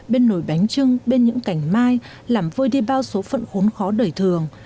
bên nồi bánh trưng bên những cảnh mai làm vơi đi bao số phận khốn khó đời thường